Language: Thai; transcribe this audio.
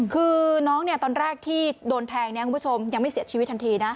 คือน้องเนี่ยตอนแรกที่โดนแทงเนี่ยคุณผู้ชมยังไม่เสียชีวิตทันทีนะ